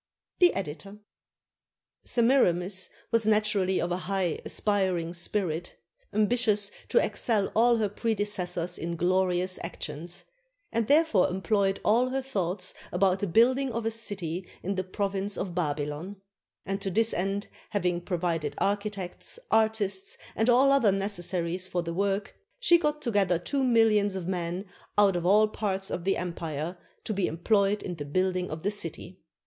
The Editor.] Semiramis was naturally of a high aspiring spirit, am bitious to excel all her predecessors in glorious actions, and therefore employed all her thoughts about the build ing of a city in the province of Babylon; and to this end having provided architects, artists, and all other necessaries for the work, she got together two millions of men out of all parts of the empire, to be employed in the building of the city.